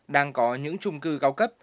đang có những trung cư cao cấp